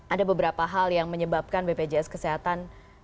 ada beberapa hal yang menyebabkan bpjs kesehatan